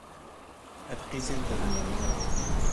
Ev qîzên te ne?